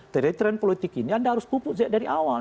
dari tren politik ini anda harus pupuk dari awal